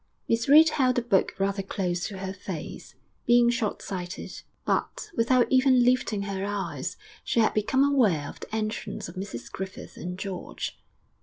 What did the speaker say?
Miss Reed held the book rather close to her face, being shortsighted; but, without even lifting her eyes, she had become aware of the entrance of Mrs Griffith and George.